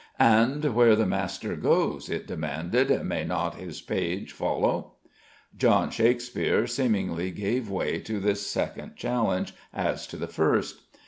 "And where the master goes," it demanded, "may not his page follow?" John Shakespeare seemingly gave way to this second challenge as to the first.